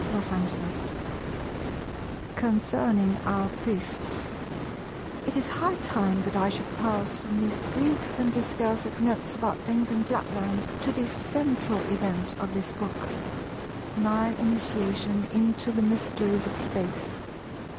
§ 11 Concerning our Priests It is high time that I should pass from these brief and discursive notes about things in Flatland to the central event of this book, my initiation into the mysteries of Space.